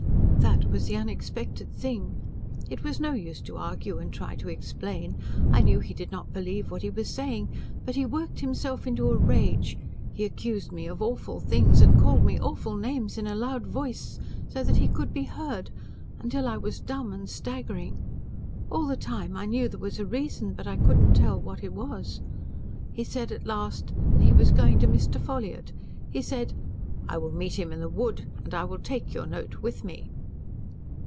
"That was the unexpected thing. It was no use to argue and try to explain. I knew he did not believe what he was saying, but he worked himself into a rage, he accused me of awful things, and called me awful names in a loud voice, so that he could be heard, until I was dumb and staggering. All the time, I knew there was a reason, but I could not tell then what it was. He said at last, that he was going to Mr. Ffolliott. He said, 'I will meet him in the wood and I will take your note with me.'